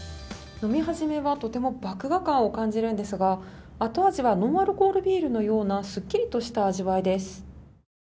飲み始めはとても麦芽感を感じるのですが、後味はノンアルコールビールのようなスッキリとした味わいです。